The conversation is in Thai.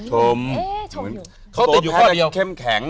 โตแพทย์แข็ง